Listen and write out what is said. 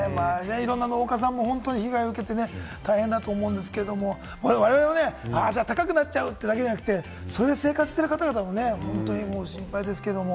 いろんな農家さんも被害を受けてね、大変だと思うんですけれども、我々もね、高くなっちゃうというだけではなくて、それで生活している方々も心配ですけれども。